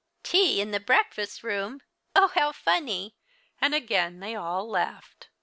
" Tea in the breakfast room ! Oh, how funny !" And again they all laughed.